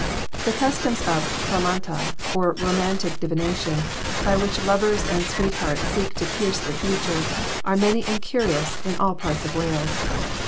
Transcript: The customs of Rhamanta, or romantic divination, by which lovers and sweethearts seek to pierce the future, are many and curious, in all parts of Wales.